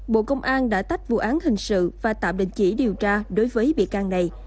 bộ công an đã tách vụ án hình sự và tạm đình chỉ điều tra đối với bị can này